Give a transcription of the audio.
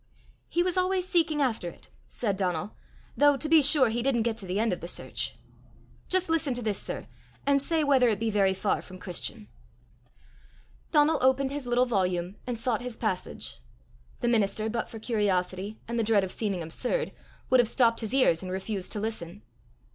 "He was always seeking after it," said Donal, "though to be sure he didn't get to the end of the search. Just listen to this, sir, and say whether it be very far from Christian." Donal opened his little volume, and sought his passage. The minister but for curiosity and the dread of seeming absurd would have stopped his ears and refused to listen.